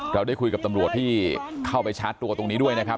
เราได้คุยกับตำรวจที่เข้าไปชาร์จตัวตรงนี้ด้วยนะครับ